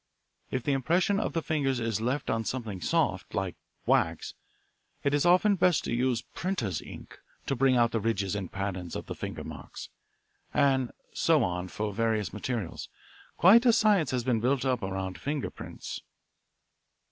If the impression of the fingers is left on something soft, like wax, it is often best to use printers' ink to bring out the ridges and patterns of the finger marks. And so on for various materials. Quite a science has been built up around finger prints.